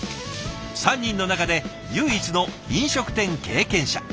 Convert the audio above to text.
３人の中で唯一の飲食店経験者。